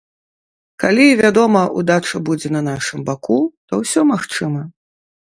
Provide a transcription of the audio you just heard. Калі, вядома, удача будзе на нашым баку, то ўсё магчыма.